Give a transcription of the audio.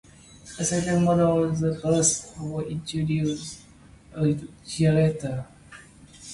A second model, the "Plus", was introduced a year later.